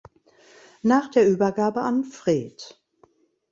Nach der Übergabe an Fred.